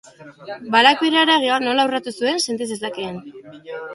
Balak bere haragia nola urratu zuen senti zezakeen.